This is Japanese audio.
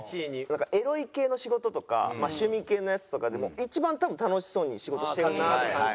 なんかエロい系の仕事とか趣味系のやつとかでも一番多分楽しそうに仕事してるなって感じてて。